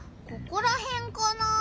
ここらへんかな。